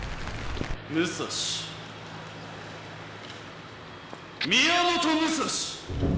武蔵、宮本武蔵。